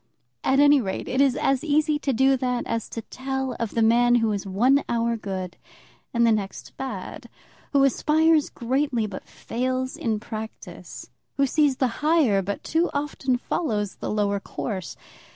At any rate, it is as easy to do that as to tell of the man who is one hour good and the next bad, who aspires greatly but fails in practice, who sees the higher but too often follows the lower course.